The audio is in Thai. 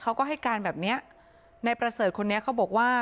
เขาก็ให้การแบบเนี้ยนายประเสริฐคนนี้เขาบอกว่า